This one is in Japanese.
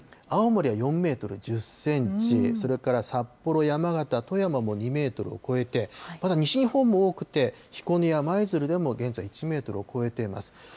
青森は４メートル１０センチ、それから、札幌、山形、富山も２メートルを超えて、また西日本も多くて、彦根や舞鶴でも、現在１メートルを超えています。